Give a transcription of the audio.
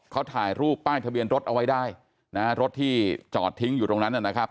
เขาถ่ายรูปป้ายทะเบียนรถเอาไว้ได้นะฮะรถที่จอดทิ้งอยู่ตรงนั้นนะครับ